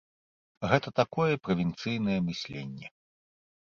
Гэта такое правінцыйнае мысленне.